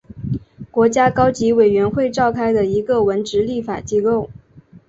国家高级委员会召开的一个文职立法机构。